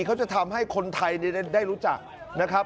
เขาจะทำให้คนไทยได้รู้จักนะครับ